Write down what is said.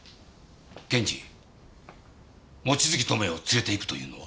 検事望月友也を連れて行くというのは？